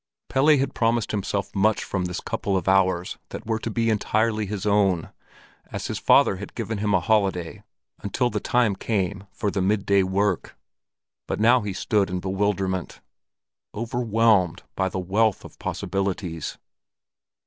Pelle had promised himself much from this couple of hours that were to be entirely his own, as his father had given him a holiday until the time came for the midday work. But now he stood in bewilderment, overwhelmed by the wealth of possibilities.